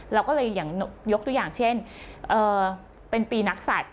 เราก็เลยอย่างยกตัวอย่างเช่นเป็นปีนักศัตริย